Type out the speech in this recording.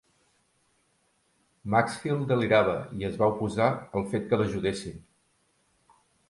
Maxfield delirava i es va oposar al fet que l'ajudessin.